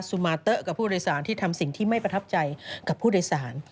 สุมาเตอร์กับผู้โดยสารที่ทำสิ่งที่ไม่ประทับใจกับผู้โดยสาร